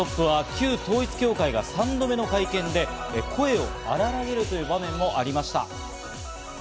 旧統一教会が３度目の会見で声を荒らげるという場面もありました。